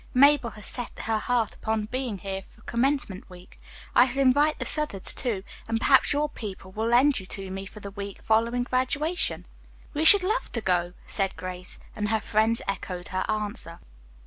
Mabel has set her heart upon being here for commencement week. I shall invite the Southards, too, and perhaps your people will lend you to me for the week following graduation." "We should love to go," said Grace, and her friends echoed her answer.